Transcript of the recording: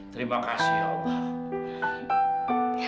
terima kasih allah